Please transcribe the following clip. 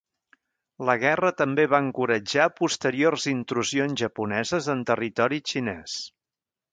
La guerra també va encoratjar posteriors intrusions japoneses en territori xinès.